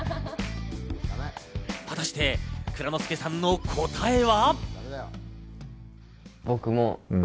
果たして、藏之輔さんの答えは。